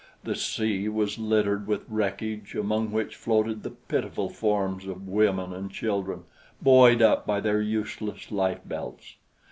The sea was littered with wreckage among which floated the pitiful forms of women and children, buoyed up by their useless lifebelts.